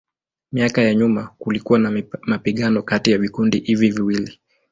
Miaka ya nyuma kulikuwa na mapigano kati ya vikundi hivi viwili.